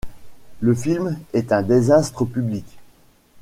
Le film est un désastre public.